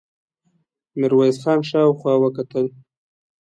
ميرويس خان شاوخوا وکتل.